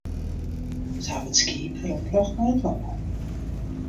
Se hawwe it skiep werombrocht nei it lân.